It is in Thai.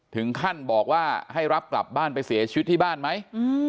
ถึงขั้นบอกว่าให้รับกลับบ้านไปเสียชีวิตที่บ้านไหม